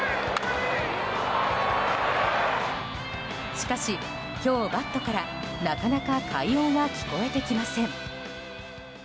しかし今日、バットからなかなか快音は聞こえてきません。